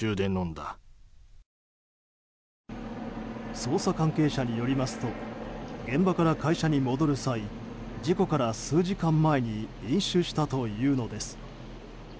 捜査関係者によりますと現場から会社に戻る際事故から数時間前に飲酒したというのです。